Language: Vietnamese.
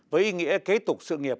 với ý nghĩa kế tục sự nghiệp